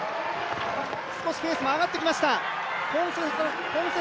少しペースも上がってきました。